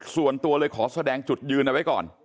ส่วนตัวเลยขอแสดงจุดยืนเอาไว้ก่อน